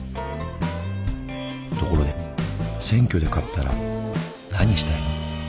ところで選挙で勝ったら何したいの？